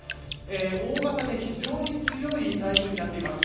大型で非常に強い台風になっています。